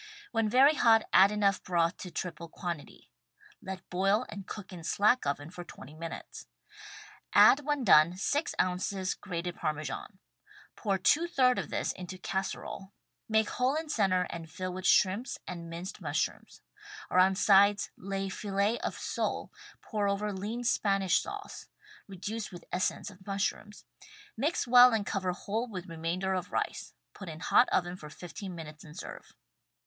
When very hot, add enough broth to triple quantity — let boil and cook in slack oven for 20 minutes. Add when done, six ounces grated Parmesan. Pour % of this into casserole, make hole in center and fill with shrimps and minced mushrooms; around sides lay fillet of sole, pour over lean Spanish sauce — reduced with essence of mushrooms — mix well and cover whole with remainder of rice — ^put in hot oven for fifteen min utes and serve.